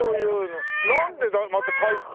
なんでまた体育館で？